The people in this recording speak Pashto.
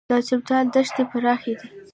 د چمتال دښتې پراخې دي